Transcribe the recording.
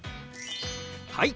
はい！